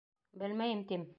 — Белмәйем, тим!